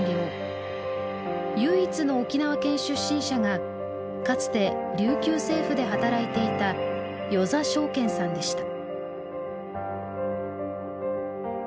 唯一の沖縄県出身者がかつて琉球政府で働いていた与座章健さんでした。